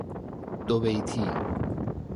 دو بیتی